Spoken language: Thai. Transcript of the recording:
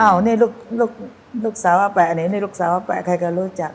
อ้าวนี่ลูกสาวอาแปะนี่ลูกสาวอาแปะใครก็รู้จัก